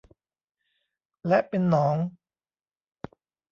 และเป็นหนอง